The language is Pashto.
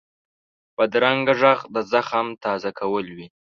بدرنګه غږ د زخم تازه کول وي